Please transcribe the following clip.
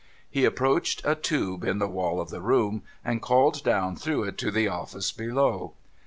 He approached a tube in the wall of the room, and called down through it to the office below.